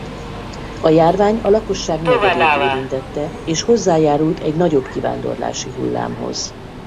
A járvány a lakosság negyedét érintette és hozzájárult egy nagyobb kivándorlási hullámhoz.